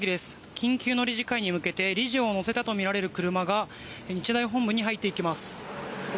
緊急の理事会に向けて理事を乗せたとみられる車が日大本部に入っていきます。